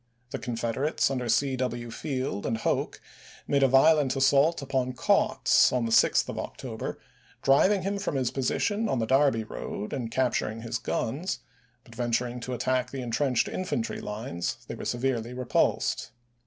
The Confederates under C. W. Field and Hoke made a violent assault upon Kautz on the 6th of October, driving him from his position on the Darby road and capturing his guns; but venturing to attack the intrenched infantry lines they were severely repulsed.